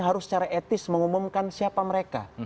harus secara etis mengumumkan siapa mereka